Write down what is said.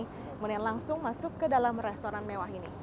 kemudian langsung masuk ke dalam restoran mewah ini